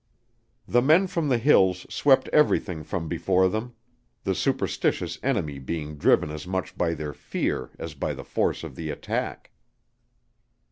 The men from the hills swept everything from before them; the superstitious enemy being driven as much by their fear as by the force of the attack.